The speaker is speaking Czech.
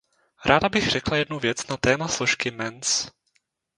Ráda bych řekla jednu věc na téma složky Mens.